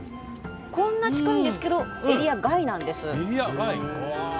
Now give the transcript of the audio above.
こんな近いんですけどエリア外なんです。